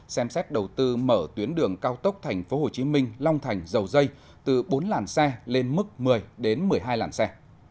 xem xét đầu tư mở tuyến đường cao tốc tp hcm long thành dầu dây từ bốn làn xe lên mức một mươi một mươi hai làn xe